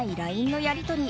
ＬＩＮＥのやり取り。